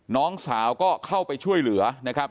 น้องสาวก็เข้าไปช่วยเหลือนะครับ